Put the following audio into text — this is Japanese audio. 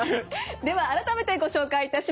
では改めてご紹介いたします。